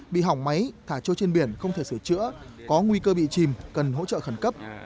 bị hỏng máy thả trôi trên biển không thể sửa chữa có nguy cơ bị chìm cần hỗ trợ khẩn cấp